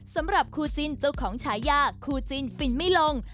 สำหรับคู่จิ้นเจ้าของฉายาคู่จินฟินไม่ลง